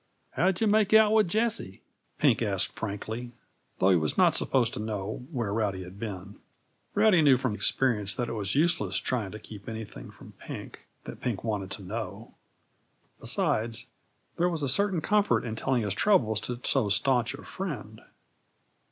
"How'd yuh make out with Jessie?" Pink asked frankly, though he was not supposed to know where Rowdy had been. Rowdy knew from experience that it was useless trying to keep anything from Pink that Pink wanted to know; besides, there was a certain comfort in telling his troubles to so stanch a friend.